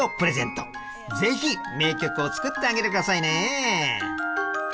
ぜひ名曲を作ってあげてくださいね。